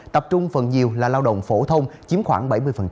tập trung phần nhiều là lao động phổ thông chiếm khoảng bảy mươi